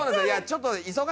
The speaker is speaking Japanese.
いやちょっとへえ。